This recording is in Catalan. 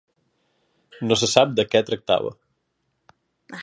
No se sap de què tractava.